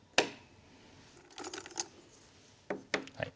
はい。